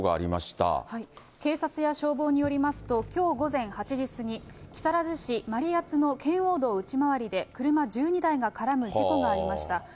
警察や消防によりますと、きょう午前８時過ぎ、木更津市真里谷の圏央道内回りで車１２台が絡む事故がありました。